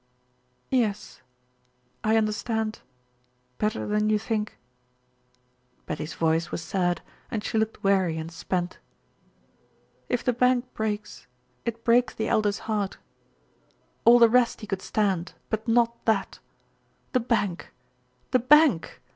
"Yes. I understand, better than you think." Betty's voice was sad, and she looked weary and spent. "If the bank breaks, it breaks the Elder's heart. All the rest he could stand, but not that. The bank, the bank!